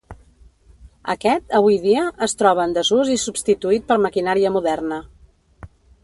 Aquest, avui dia, es troba en desús i substituït per maquinària moderna.